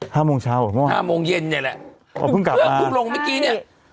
ห้าโมงเช้าหรอห้าโมงเย็นเนี้ยแหละอ๋อเพิ่งกลับมาคือลงเมื่อกี้เนี้ย